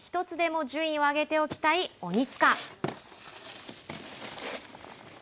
１つでも順位を上げておきたい鬼塚。